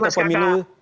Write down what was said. terima kasih mas kakak